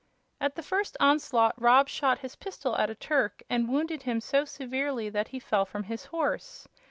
At the first onslaught Rob shot his pistol at a Turk and wounded him so severely that he fell from his horse.